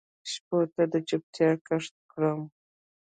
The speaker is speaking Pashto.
شپو ته د چوپتیا کښت کرم